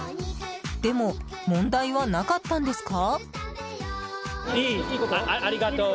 でも問題はなかったんですか？